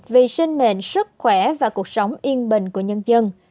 vì sinh mệnh sức khỏe và cuộc sống yên bình của nhân dân